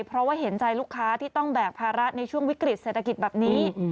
เพราะว่าเห็นใจลูกค้าที่ต้องแบกภาระในช่วงวิกฤตเศรษฐกิจแบบนี้